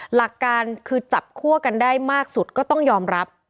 หลักการคือจับคั่วกันได้มากสุดก็ต้องยอมรับ